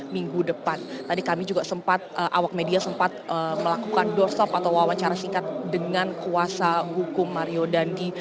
minggu depan tadi kami juga sempat awak media sempat melakukan doorstop atau wawancara singkat dengan kuasa hukum mario dandi